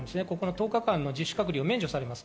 １０日間の自主隔離が免除されます。